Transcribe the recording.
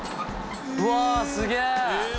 うわすげぇ！